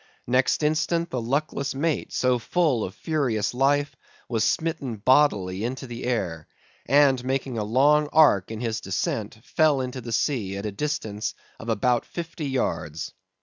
Next instant, the luckless mate, so full of furious life, was smitten bodily into the air, and making a long arc in his descent, fell into the sea at the distance of about fifty yards.